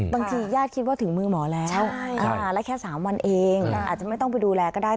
ญาติคิดว่าถึงมือหมอแล้วแล้วแค่๓วันเองอาจจะไม่ต้องไปดูแลก็ได้